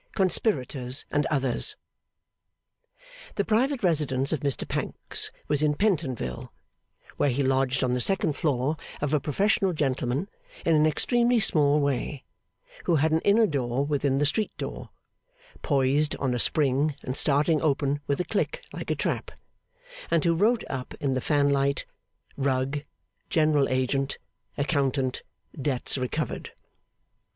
Conspirators and Others The private residence of Mr Pancks was in Pentonville, where he lodged on the second floor of a professional gentleman in an extremely small way, who had an inner door within the street door, poised on a spring and starting open with a click like a trap; and who wrote up in the fan light, RUGG, GENERAL AGENT, ACCOUNTANT, DEBTS RECOVERED.